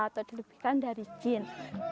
atau dilupakan dari jin